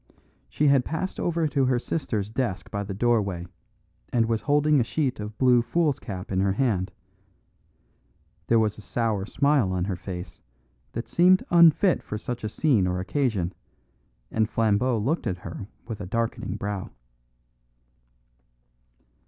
She had passed over to her sister's desk by the doorway, and was holding a sheet of blue foolscap in her hand. There was a sour smile on her face that seemed unfit for such a scene or occasion, and Flambeau looked at her with a darkening brow.